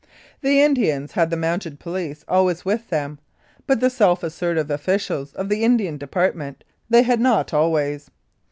The Indians had the Mounted Police always with them, but the self assertive officials of the Indian Department they had not always.